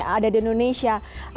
ada di indonesia